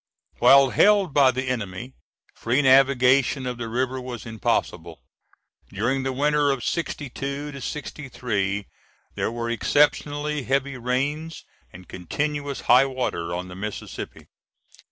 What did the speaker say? While held by the enemy, free navigation of the river was impossible. During the winter of '62 to '63 there were exceptionally heavy rains and continuous high water on the Mississippi.